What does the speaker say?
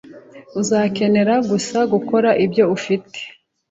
Uzakenera gusa gukora ibyo ufite.